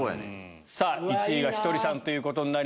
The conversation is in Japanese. さぁ１位がひとりさんということになりました。